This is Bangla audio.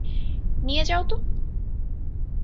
নিয়ে যাও তো।